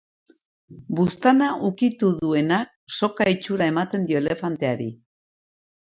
Buztana ukitu duenak, soka itxura ematen dio elefanteari.